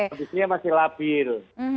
kondisinya masih labil